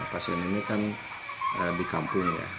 pasien ini kan di kampung ya